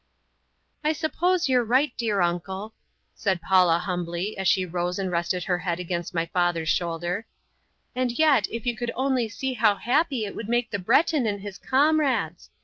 "I suppose you're right, dear uncle," said Paula humbly, as she rose and rested her head against my father's shoulder, "and yet if you could only know how happy it would make the Breton and his comrades.